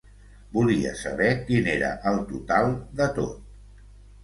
Volia saber quin era el total de tot.